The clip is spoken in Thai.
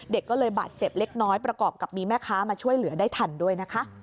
เด็กก็เลยบาดเจ็บเล็กน้อยประกอบกับมีแม่ค้ามาช่วยเหลือได้ทันด้วยนะคะ